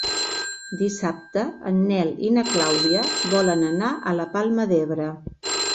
Dissabte en Nel i na Clàudia volen anar a la Palma d'Ebre.